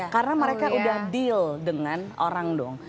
karena mereka udah deal dengan orang dong